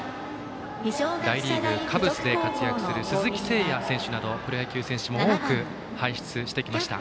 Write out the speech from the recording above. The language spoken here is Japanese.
大リーグ、カブスで活躍する鈴木誠也選手などプロ野球選手も多く輩出してきました